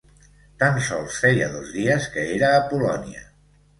Tan sols feia dos dies que era a Polònia.